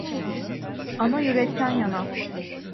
Ana, yürekten yana.